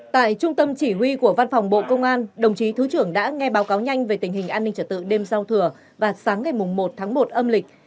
tại trung tâm chỉ huy của văn phòng bộ công an đồng chí thứ trưởng đã nghe báo cáo nhanh về tình hình an ninh trật tự đêm giao thừa và sáng ngày một tháng một âm lịch